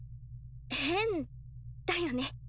変だよね。